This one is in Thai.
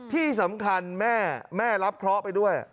ที่สำคัญแม่แม่รับเคราะห์ไปด้วย